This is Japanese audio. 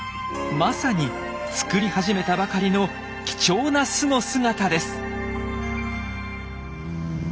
まさに作り始めたばかりの貴重な巣の姿です。